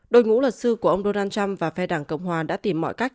đội ngũ luật sư của ông donald trump và phe đảng cộng hòa đã tìm mọi cách